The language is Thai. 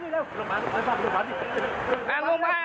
นั่นไงอะ